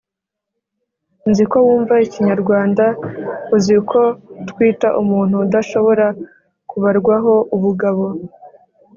Nzi ko wumva ikinyarwanda, uzi uko twita umuntu udashobora kubarwaho ubugabo.